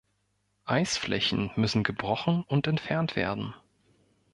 Eisflächen müssen gebrochen und entfernt werden.